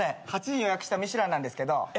８時に予約したミシュランなんですけど。